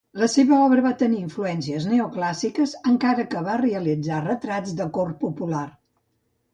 La seva obra va tenir influències neoclàssiques, encara que va realitzar retrats de cort popular.